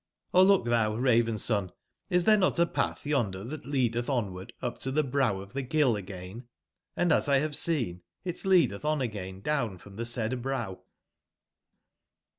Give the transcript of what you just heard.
Or look thou, Raven/son, is there not a path yonder that leadeth onward up to the brow of the ghyll again ?& as X have seen, it leadeth on again down from the said brow.''